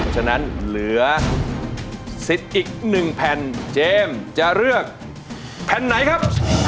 ฉะนั้นเหลือสิทธิ์อีกหนึ่งแผ่นเจมส์จะเลือกแผ่นไหนครับ